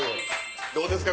どうですか？